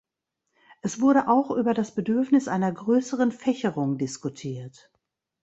Es wurde auch über das Bedürfnis einer größeren Fächerung diskutiert.